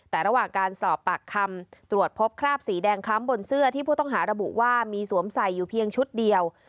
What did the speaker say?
แต่ระหว่างการสอบปากคำตรวจพบคราบสีแดงคล้ำบนเสื้อที่ผู้ต้องหาระบุว่ามีสวมใส่อยู่เพียงชุดเดียว